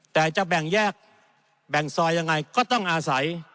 แต่จะแบ่งแยกแบ่งซอยยังไงก็ต้องอาศัย